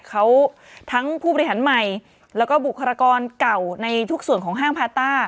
เขาทั้งผู้บริหารใหม่แล้วก็บุคลากรเก่าในทุกส่วนของห้างพาต้า